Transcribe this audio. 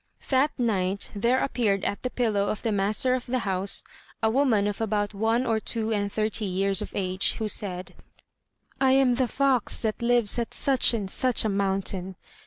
That night there appeared at the pillow of the master of the house a woman of about one or two and thirty years of age, who said: "I am the fox that lives at such and such a mountain.